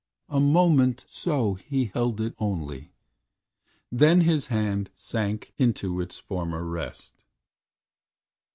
A moment so he held it only, Then his hand sank into its former rest.